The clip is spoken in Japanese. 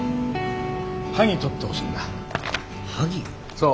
そう。